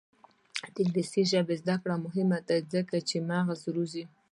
د انګلیسي ژبې زده کړه مهمه ده ځکه چې مغز روزي.